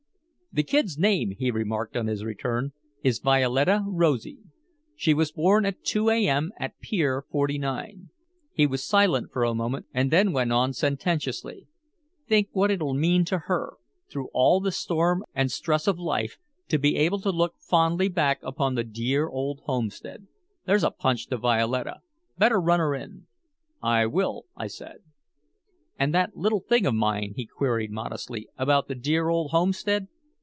"The kid's name," he remarked on his return, "is Violetta Rosy. She was born at two a. m. at Pier Forty nine." He was silent for a moment and then went on sententiously, "Think what it'll mean to her, through all the storm and stress of life, to be able to look fondly back upon the dear old homestead. There's a punch to Violetta. Better run her in." "I will," I said. "And that little thing of mine," he queried modestly, "about the dear old homestead."